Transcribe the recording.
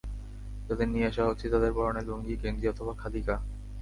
যাদের নিয়ে আসা হচ্ছে, তাদের পরনে লুঙ্গি, গেঞ্জি অথবা খালি গা।